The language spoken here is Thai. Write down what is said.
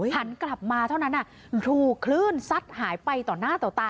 หันกลับมาเท่านั้นถูกคลื่นซัดหายไปต่อหน้าต่อตา